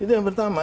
itu yang pertama